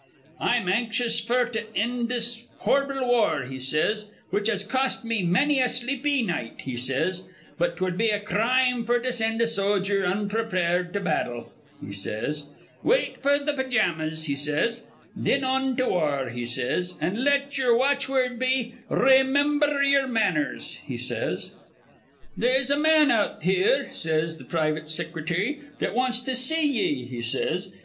'I'm anxious f'r to ind this hor'ble war,' he says, 'which has cost me manny a sleepy night,' he says; 'but 'twud be a crime f'r to sind a sojer onprepared to battle,' he says. 'Wait f'r th' pijammas,' he says. 'Thin on to war,' he says; 'an' let ye'er watchword be, "Raymimber ye'er manners,"' he says. "'They'se a man out here,' says th' privit sicrity, 'that wants to see ye,' he says.